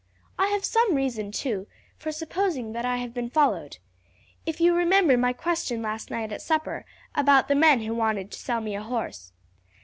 I have some reason, too, for supposing that I have been followed. If you remember my question last night at supper about the men who wanted to sell me a horse.